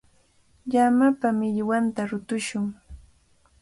Llamapa millwanta rutushun.